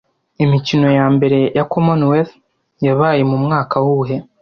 Imikino ya mbere ya Commonwealth yabaye mu mwaka wuhe